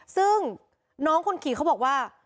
ซึ่งน้องคนขี่เขาบอกว่า